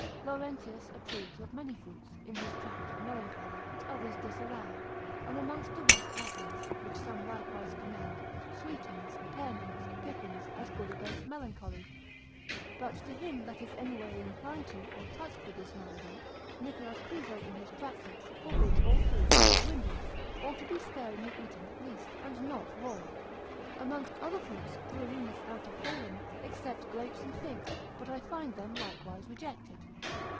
Laurentius approves of many fruits, in his Tract of Melancholy, which others disallow, and amongst the rest apples, which some likewise commend, sweetings, pearmains, pippins, as good against melancholy; but to him that is any way inclined to, or touched with this malady, Nicholas Piso in his Practics, forbids all fruits, as windy, or to be sparingly eaten at least, and not raw. Amongst other fruits, Bruerinus, out of Galen, excepts grapes and figs, but I find them likewise rejected.